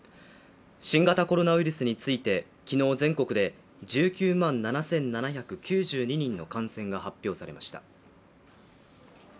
新型コロナウイルスについて昨日、全国で１９万７７９２人の感染が発表されました。